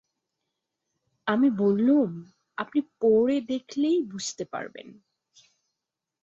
আমি বললুম, আপনি পড়ে দেখলেই বুঝতে পারবেন।